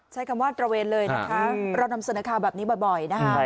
ใช้คำว่าตระเวนเลยนะคะเรานำเสนอข่าวแบบนี้บ่อยนะคะ